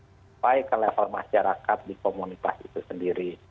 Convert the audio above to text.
sampai ke level masyarakat di komunitas itu sendiri